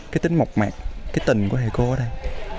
cái tính mộc mạc cái tình của thầy cô ở đây